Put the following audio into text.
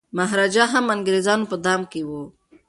مهاراجا هم د انګریزانو په دام کي و.